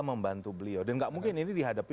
membantu beliau dan gak mungkin ini dihadapi